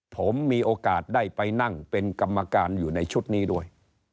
ผมมีโอกาสได้ไปนั่งเป็นกรรมการอยู่ในชุดนี้ด้วย